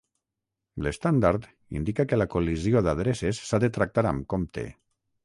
L'estàndard indica que la col·lisió d'adreces s'ha de tractar amb compte.